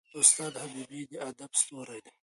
استاد حبیبي د ادب ستوری دی.